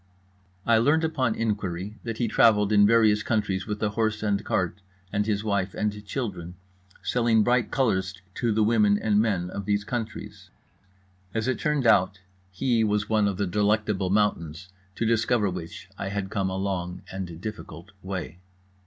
I learned upon inquiry that he travelled in various countries with a horse and cart and his wife and children, selling bright colours to the women and men of these countries. As it turned out, he was one of the Delectable Mountains; to discover which I had come a long and difficult way.